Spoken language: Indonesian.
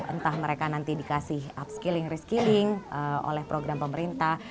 entah mereka nanti dikasih upskilling reskilling oleh program pemerintah